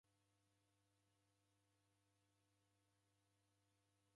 Vifunguo va ishati vafuma